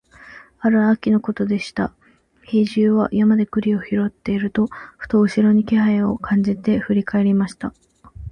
ある秋のことでした、兵十は山で栗を拾っていると、ふと後ろに気配を感じて振り返りました。